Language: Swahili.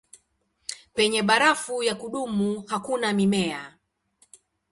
Penye barafu ya kudumu hakuna mimea.